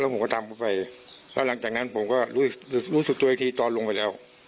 แล้วตอนที่ลงขาถังมันติดอยู่หรือว่ามันเติบไหร่